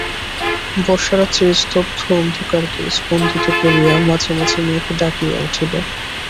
বর্ষারাত্রির স্তব্ধ অন্ধকারকে স্পন্দিত করিয়া মাঝে মাঝে মেঘ ডাকিয়া উঠিল।